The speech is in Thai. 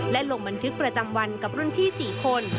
และลงบันทึกประจำวันกับรุ่นพี่๔คน